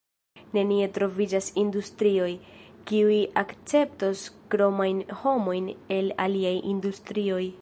Nenie troviĝas industrioj, kiuj akceptos kromajn homojn el aliaj industrioj.